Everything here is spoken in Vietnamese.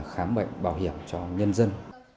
khám bệnh bảo hiểm cho nhân dân